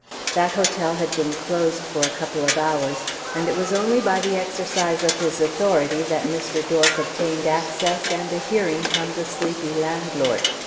That hotel had been closed for a couple of hours, and it was only by the exercise of his authority that Mr. Dork obtained access, and a hearing from the sleepy landlord.